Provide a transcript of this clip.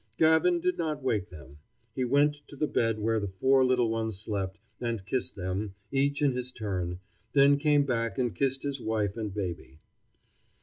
Gavin did not wake them. He went to the bed where the four little ones slept, and kissed them, each in his turn, then came back and kissed his wife and baby.